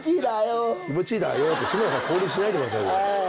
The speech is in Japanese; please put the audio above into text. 「気持ちいいだよ」って志村さん降臨しないでくださいよ。